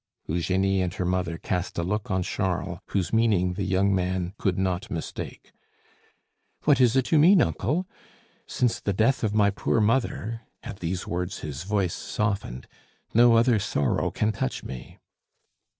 Eugenie and her mother cast a look on Charles whose meaning the young man could not mistake. "What is it you mean, uncle? Since the death of my poor mother" at these words his voice softened "no other sorrow can touch me."